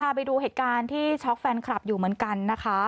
ไปดูเหตุการณ์ที่ช็อกแฟนคลับอยู่เหมือนกันนะคะ